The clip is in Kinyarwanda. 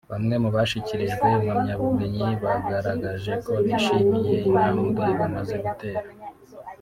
Bamwe mu bashyikirijwe impamyabumenyi bagaragaje ko bishimiye intambwe bamaze gutera